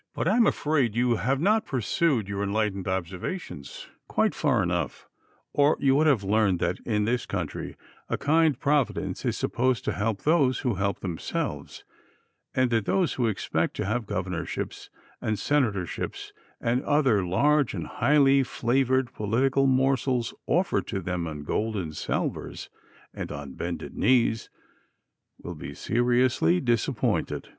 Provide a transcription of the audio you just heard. But I am afraid that you have not pursued your enlightened observations quite far enough, or you would have learned that in this country a kind providence is supposed to help those who help themselves, and that those who expect to have Governorships and Senatorships and other large and highly flavored political morsels offered to them on golden salvers and on bended knees will be seriously disappointed."